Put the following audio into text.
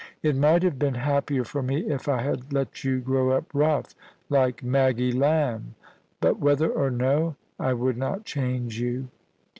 It might have been happier for me if I had let you grow up rough, like Maggie Lamb ; but whether or no, I would not change you.